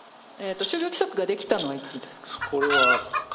就業規則が出来たのはいつですか？